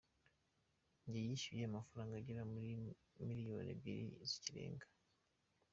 Jye nishyuye amafaranga agera muri miliyoni ebyiri zirenga".